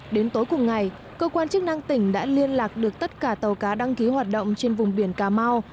đến tối cùng ngày cơ quan chức năng tỉnh đã liên lạc được tất cả tàu cá đăng ký hoạt động trên vùng biển cà mau